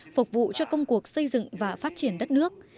phục vụ cho công cuộc xây dựng và phát triển đất nước